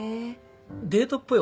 デートっぽい